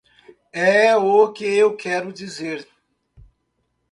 É o que eu quero dizer.